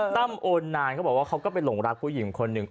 ตั้มโอนานเขาบอกว่าเขาก็ไปหลงรักผู้หญิงคนหนึ่ง